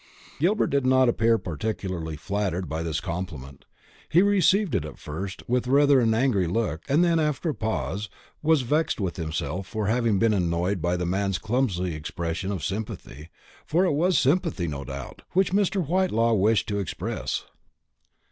Gilbert did not appear particularly flattered by this compliment. He received it at first with rather an angry look, and then, after a pause, was vexed with himself for having been annoyed by the man's clumsy expression of sympathy for it was sympathy, no doubt, which Mr. Whitelaw wished to express.